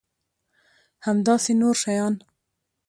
همداسې نور شیان.